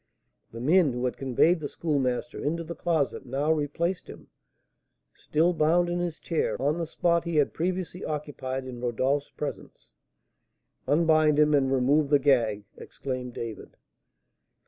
The men who had conveyed the Schoolmaster into the closet now replaced him, still bound in his chair, on the spot he had previously occupied in Rodolph's presence. "Unbind him, and remove the gag!" exclaimed David.